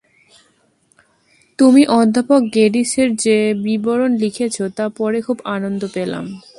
তুমি অধ্যাপক গেডিসের যে বিবরণ লিখেছ, তা পড়ে খুব আনন্দ পেলাম।